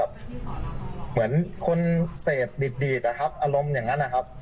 เหมือนคนเสพดีอารมณ์อย่างนั้นนะครับ